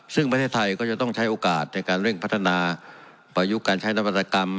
ซึ่งประเทศไทยก็จะต้องใช้โอกาสในการเร่งพัฒนาประยุกต์การใช้นวัตกรรม